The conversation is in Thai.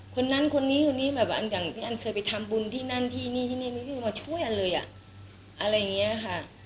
คนนั้นคนนี้คนนี้แบบอันอย่างพี่อันเคยไปทำบุญที่นั่นที่นี่ที่นี่คือมาช่วยอันเลยอ่ะอะไรอย่างนี้ค่ะ